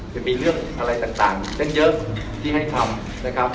จะมีเรื่องอะไรต่างเรื่องเยอะที่ให้ทำ